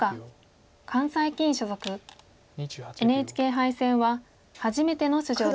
ＮＨＫ杯戦は初めての出場です。